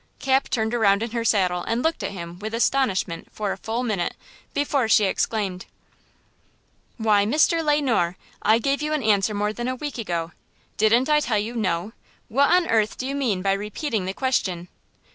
Cap turned around in her saddle and looked at him with astonishment for a full minute before she exclaimed: "Why, Mr. Le Noir, I gave you an answer more than a week ago. Didn't I tell you 'No'? What on earth do you mean by repeating the question?"